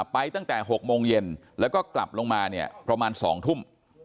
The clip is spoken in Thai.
ไปตั้งแต่๖โมงเย็นแล้วก็กลับลงมาเนี่ยประมาณ๒ทุ่ม